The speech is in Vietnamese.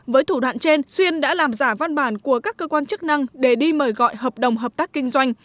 với thủ đoạn trên xuyên đã làm giả văn bản của các cơ quan chức năng để đi mời gọi hợp đồng hợp tác kinh doanh